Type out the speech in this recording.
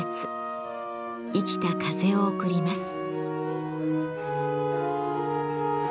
生きた風を送ります。